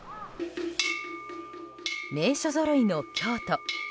名所ぞろいの京都。